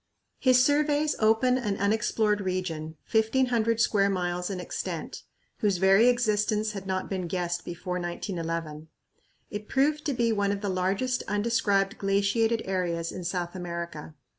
His surveys opened an unexplored region, 1500 square miles in extent, whose very existence had not been guessed before 1911. It proved to be one of the largest undescribed glaciated areas in South America.